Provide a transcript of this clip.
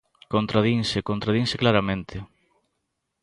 Contradinse, contradinse claramente.